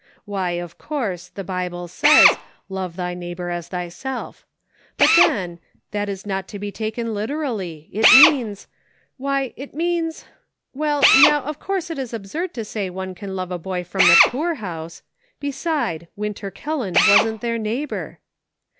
"* Why, of course, the Bible says, " Love thy neighbor as thyself," but then, that is not to be taken literally ; it means — why, it means — well now, of course it is absurd to say one can love a boy from the poorhouse ; beside Winter Kel land wasn't their neighbor.